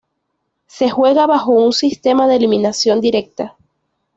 Se juega bajo un sistema de eliminación directa.